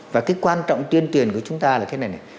và cái quan trọng tuyên truyền của chúng ta là thế này này